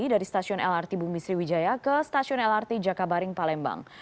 dari stasiun lrt bumi sriwijaya ke stasiun lrt jakabaring palembang